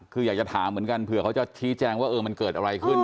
คืออยากจะถามเหมือนกันเผื่อเขาจะชี้แจงว่ามันเกิดอะไรขึ้น